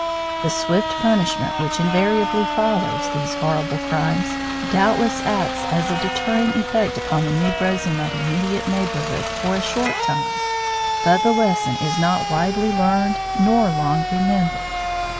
The swift punishment which invariably follows these horrible crimes doubtless acts as a deterring effect upon the Negroes in that immediate neighborhood for a short time. But the lesson is not widely learned nor long remembered.